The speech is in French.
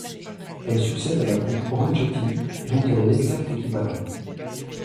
Elle succède à la Coupe Ronchetti, dont elle est l’exact équivalent.